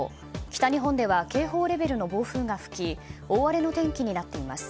北日本では警報レベルの暴風が吹き大荒れの天気になっています。